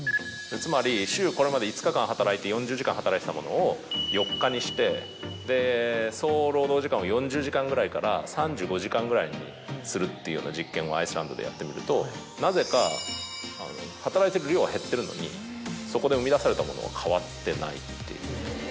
つまり週これまで５日間働いて４０時間働いてたものを４日にして総労働時間を４０時間ぐらいから３５時間ぐらいにするっていうような実験をアイスランドでやってみるとなぜか働いてる量は減ってるのにそこで生み出されたものは変わってないっていう。